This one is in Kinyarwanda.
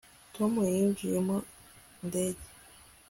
Tom yinjiye mu ndege